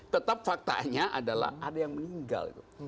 tetap faktanya adalah ada yang meninggal itu